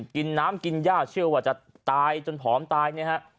กินน้ำกินยากเชื่อว่าจะตายจนผอมตายนะฮะ